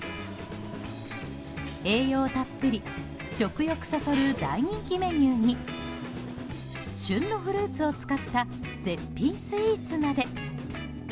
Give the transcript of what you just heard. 栄養たっぷり食欲そそる大人気メニューに旬のフルーツを使った絶品スイーツまで。